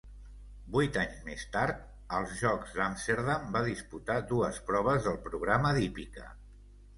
Vuit anys més tard, als Jocs d'Amsterdam, va disputar dues proves del programa d'hípica.